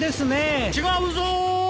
違うぞー！